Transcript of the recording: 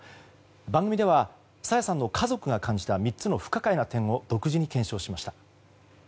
番組では朝芽さんの家族が感じた３つの不可解な点を独自に検証しました。